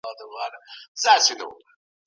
ایا کوچني پلورونکي بادام اخلي؟